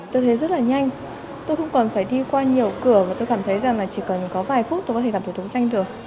tôi thấy rất là nhanh tôi không còn phải đi qua nhiều cửa và tôi cảm thấy rằng chỉ cần có vài phút tôi có thể làm thủ tục nhanh được